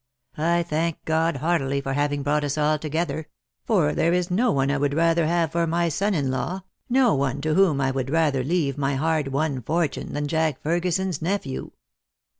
I thank God heartily for having brought us all together; for there is no one I would rather have for my son in law, no one to whom I would rather leave my hard won fortune, than Jack Ferguson's nephew."